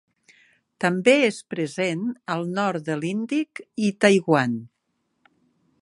També és present al nord de l'Índic i Taiwan.